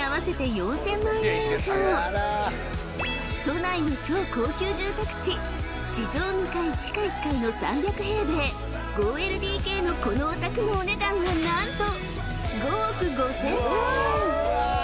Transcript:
［都内の超高級住宅地地上２階地下１階の３００平米５ＬＤＫのこのお宅のお値段は何と］